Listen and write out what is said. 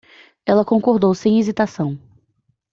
Ela concordou sem hesitação